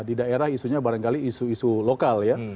di daerah isunya barangkali isu isu lokal ya